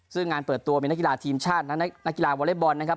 ซึ่งงานเปิดตัวมีนักกีฬาทีมชาติและนักกีฬาวอเล็กบอลนะครับ